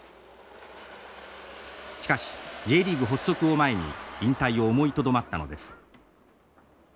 しかしＪリーグ発足を前に引退を思いとどまったのです。